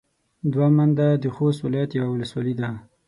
دوه منده د خوست ولايت يوه ولسوالي ده.